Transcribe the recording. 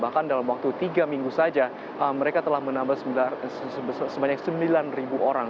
bahkan dalam waktu tiga minggu saja mereka telah menambah sebanyak sembilan orang